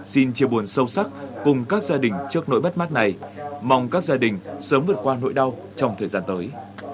xin chia buồn sâu sắc cùng các gia đình trước nỗi bất mát này mong các gia đình sớm vượt qua nỗi đau trong thời gian tới